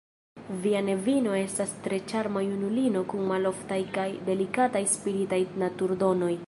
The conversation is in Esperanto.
Via nevino estas tre ĉarma junulino kun maloftaj kaj delikataj spiritaj naturdonoj.